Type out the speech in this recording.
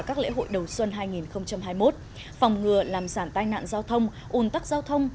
các lễ hội đầu xuân hai nghìn hai mươi một phòng ngừa làm giảm tai nạn giao thông ủn tắc giao thông